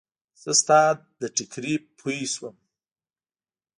زه ستا له ټیکري پوی شوم.